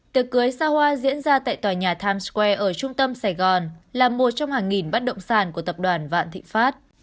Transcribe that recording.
tiệc cưới xa hoa diễn ra tại tòa nhà times square ở trung tâm sài gòn là một trong hàng nghìn bắt động sản của tập đoàn vạn thịnh pháp